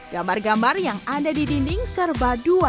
gambar gambar yang ada di dinding serba dua